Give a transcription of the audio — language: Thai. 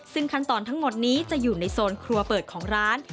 ซึ่งขั้นตอนทั้งหมดนี้จะอยู่ในโซนครัวเปิดของร้าน